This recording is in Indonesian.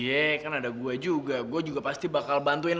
ellybarenang gleich yang bevor accidents kalian ya